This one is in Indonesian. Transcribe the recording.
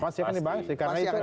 pasti akan dibahas karena itu